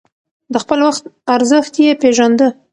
د خپل وخت ارزښت يې پېژانده.